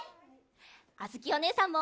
あづきおねえさんも！